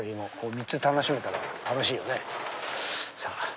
３つ楽しめたら楽しいよね。